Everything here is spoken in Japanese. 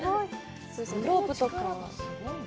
ロープとかは？